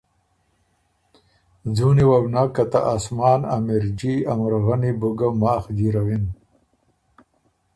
څُوني وه بُو نک که ته آسمان ا مِرجي ا مُرغنی بو ګۀ ماخ جیرَوِن